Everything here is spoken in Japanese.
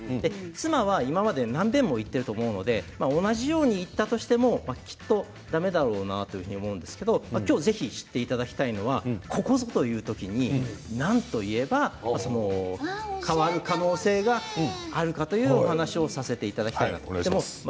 妻は今まで何べんも言ってると思うので同じように言ったとしてもきっとだめだろうなと思うんですけど今日ぜひ知っていただきたいのはここぞという時に何と言えば変わる可能性があるかというお話をさせていただきたいです。